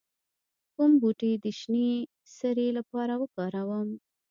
کوم بوټي د شینې سرې لپاره وکاروم؟